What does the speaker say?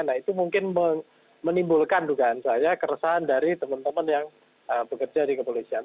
nah itu mungkin menimbulkan dugaan saya keresahan dari teman teman yang bekerja di kepolisian